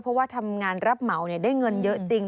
เพราะว่าทำงานรับเหมาได้เงินเยอะจริง